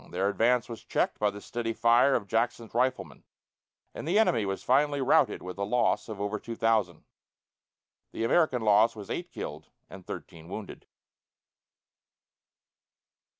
Their advance was checked by the steady fire of Jackson's riflemen, and the enemy was finally routed with a loss of over two thousand. The American loss was eight killed and thirteen wounded.